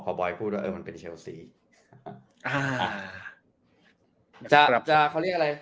พอบอยพูดว่าเออมันเป็นเชลซีอ่าจะแบบจะเขาเรียกอะไร